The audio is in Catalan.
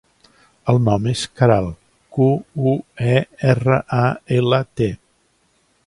El nom és Queralt: cu, u, e, erra, a, ela, te.